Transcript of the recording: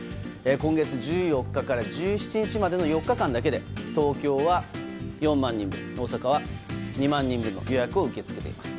今月１４日から１７日までの４日間だけで東京は４万人分大阪は２万人分の予約を受け付けています。